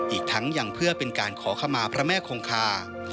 อีกทั้งอย่างเพื่อเป็นการขอขมา